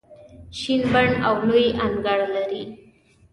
شین بڼ او لوی انګړ لري.